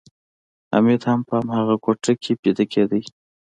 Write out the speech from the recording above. حمید هم په هغه کوټه کې ویده کېده